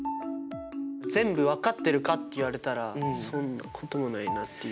全部分かってるかっていわれたらそんなこともないなっていう。